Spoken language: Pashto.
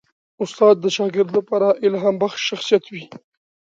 استاد د شاګرد لپاره الهامبخش شخصیت وي.